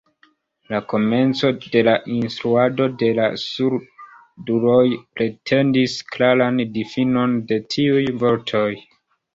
La komenco de la instruado de la surduloj pretendis klaran difinon de tiuj vortoj.